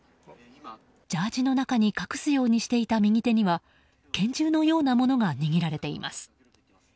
ジャージーの中に隠すようにしていた右手には拳銃のようなものが握られています。